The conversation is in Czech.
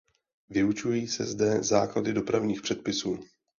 Vyučují se zde základy dopravních předpisů.